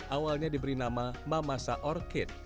awalnya diberi nama mamasa orkid